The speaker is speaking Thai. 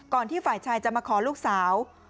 ที่ฝ่ายชายจะมาขอลูกสาว